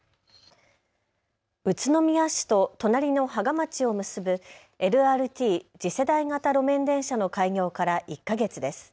宇都宮市と隣の芳賀町を結ぶＬＲＴ・次世代型路面電車の開業から１か月です。